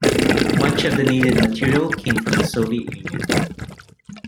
Much of the needed material came from the Soviet Union.